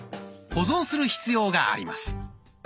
保存する必要があります。